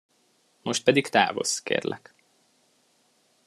Most pedig távozz, kérlek.